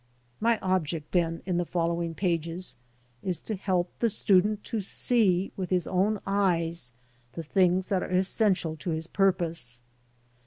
My object, then, in the following pages, is to help the student to see with his own eyes the things that are essential to his purpose.